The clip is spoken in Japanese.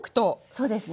そうですね。